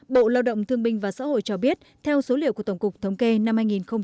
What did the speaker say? bộ lao động thương minh và xã hội cho biết theo số liệu của tổng cục thống kê năm hai nghìn một mươi chín